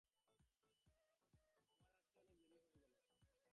আমার আসতে অনেক দেরি হয়ে গেল, মাপ করবেন শ্রীশবাবু!